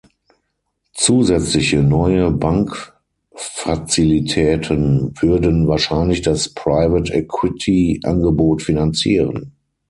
Zusätzliche neue Bankfazilitäten würden wahrscheinlich das Private-Equity-Angebot finanzieren.